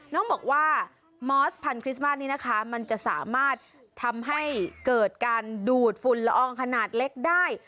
น้องบอกว่ามอสพันธ์คริสต์มาสนี้นะคะมันจะสามารถทำให้เกิดการดูดฝุ่นละอองขนาดเล็กได้